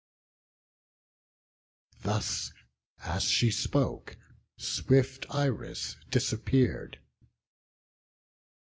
Thus as she spoke, swift Iris disappear'd.